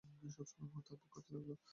সবসময়ের মতো আব্বু কাঁদতে লাগল।